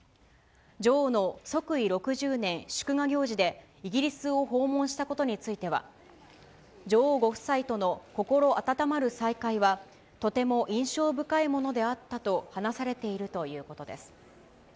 女王の即位６０年祝賀行事でイギリスを訪問したことについては、女王ご夫妻との心温まる再会は、とても印象深いものであったと話されているということです。